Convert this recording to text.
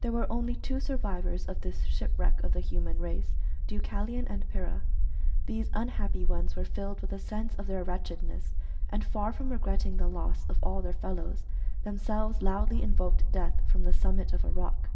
There were only two survivors of this shipwreck of the human race, Deucalion and Pyrrha. These unhappy ones were filled with the sense of their wretchedness, and far from regretting the loss of all their fellows, themselves loudly invoked death from the summit of a rock.